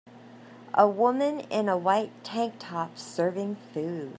A woman in a white tank top serving food.